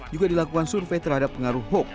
juga dilakukan survei terhadap pengaruh hoax